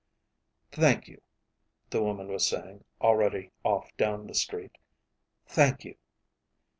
"Thank you," the woman was saying, already off down the street. "Thank you."